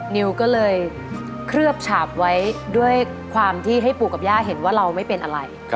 นิวก็เลยเคลือบฉาบไว้ด้วยความที่ให้ปู่กับย่าเห็นว่าเราไม่เป็นอะไร